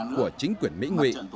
của chính quyền mỹ nguyễn